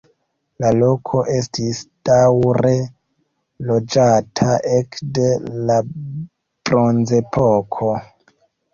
La loko estis daŭre loĝata ekde la bronzepoko.